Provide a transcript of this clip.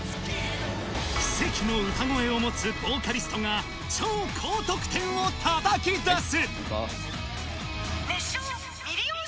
奇跡の歌声を持つヴォーカリストが超高得点をたたき出す。